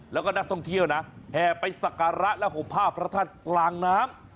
แล้วก็นักท่องเที่ยวนะแห่ไปสักการะและห่มผ้าพระธาตุกลางน้ำ